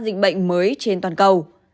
dịch bệnh mới trên toàn cầu